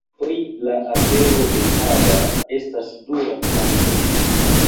Pri la apero de hada estas du rakontoj.